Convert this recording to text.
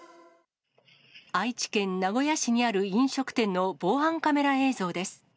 愛知県名古屋市にある飲食店の防犯カメラの映像です。